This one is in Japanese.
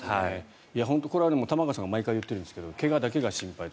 本当、これは玉川さんが毎回言ってるんですが怪我だけが心配と。